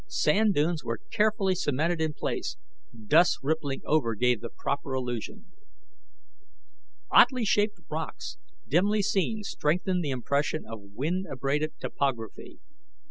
Sand dunes were carefully cemented in place; dust rippling over gave the proper illusion. Oddly shaped rocks, dimly seen, strengthened the impression of wind abraded topography.